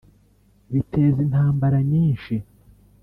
biteza intambara nyinshi